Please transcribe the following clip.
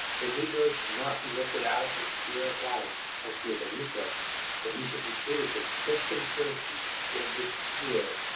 The negro should not be lifted out of his sphere of life because he is a negro, but he should be treated with Christian courtesy in his sphere.